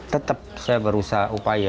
tetep saya berusaha upaya